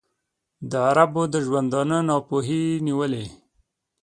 د عربو د ژوندانه ناپوهۍ نیولی.